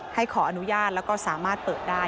ให้ขออนุญาตแล้วก็สามารถเปิดได้